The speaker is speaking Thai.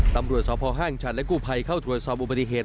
ตำรวจสพห้างชันและกู้ภัยเข้าตรวจสอบอุบัติเหตุ